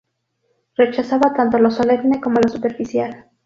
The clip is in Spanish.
Rechazaba tanto lo solemne como lo superficial.